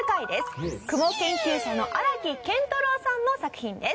雲研究者の荒木健太郎さんの作品です。